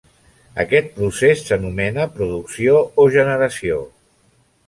Aquest procés s'anomena producció o generació.